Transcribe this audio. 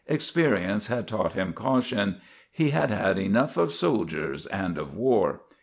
Experience had taught him caution. He had had enough of soldiers and of war.